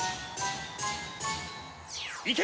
いけ！